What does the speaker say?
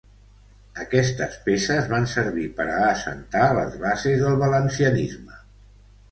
Aquestes peces van servir per a assentar les bases del valencianisme.